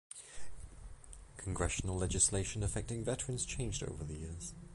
Congressional legislation affecting veterans changed over the years.